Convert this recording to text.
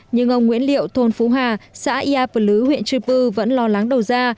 nhưng ông nguyễn liệu thôn phú hà xã ia phật lứ huyện chư pư vẫn lo lắng đầu ra